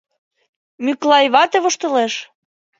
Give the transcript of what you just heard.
— Мӱклай вате воштылеш.